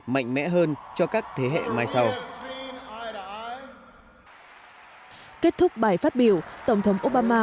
mạnh mẽ hơn cho các thế hệ mai sau kết thúc bài phát biểu tổng thống obama